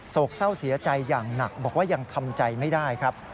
เศร้าเสียใจอย่างหนักบอกว่ายังทำใจไม่ได้ครับ